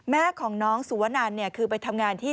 แม่ของน้องสุวนันเนี่ยคือไปทำงานที่